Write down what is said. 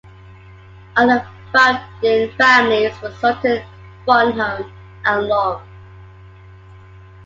Other founding Families were Sutton, Farnham and Long.